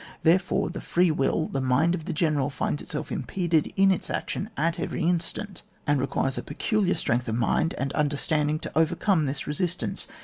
Therefore the free will, the mind of the general, finds itself impeded in its action at every instant, and it requires a pecu liar strong^ of mind and understanding to overcome this resistance.